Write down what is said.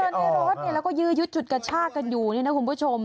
อ้าวมันเจอในรถเนี่ยแล้วก็ยืดชุดกระชากันอยู่นะคุณผู้ชม